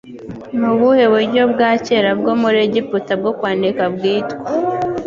Nubuhe buryo bwa kera bwo muri Egiputa bwo kwandika bwitwa